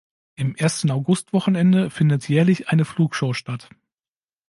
Im ersten Augustwochenende findet jährlich eine Flugshow statt.